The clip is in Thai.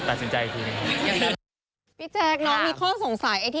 อาจจะพูดผิดขอโทษด้วย